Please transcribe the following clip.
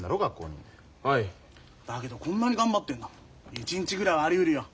一日ぐらいはありうるよ。